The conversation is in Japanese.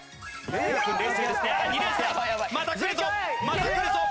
またくるぞ。